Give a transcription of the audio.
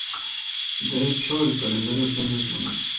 De hecho, el calendario celta es lunar.